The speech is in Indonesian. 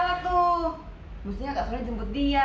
maksudnya gak soalnya jemput dia